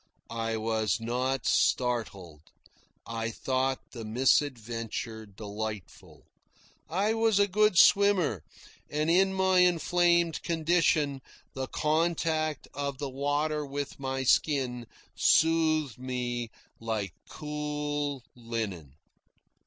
I was not startled. I thought the misadventure delightful. I was a good swimmer, and in my inflamed condition the contact of the water with my skin soothed me like cool linen.